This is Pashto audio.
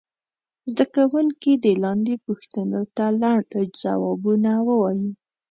زده کوونکي دې لاندې پوښتنو ته لنډ ځوابونه ووایي.